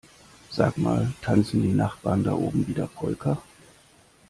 Sag mal, tanzen die Nachbarn da oben wieder Polka?